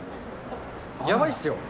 やばいっすよ。